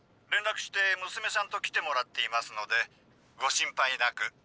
連絡して娘さんと来てもらっていますのでご心配なく。